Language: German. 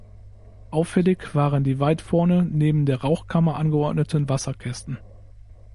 Auffällig waren die weit vorne neben der Rauchkammer angeordneten Wasserkästen.